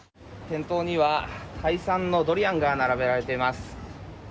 店頭にはタイ産のドリアンが並べられています。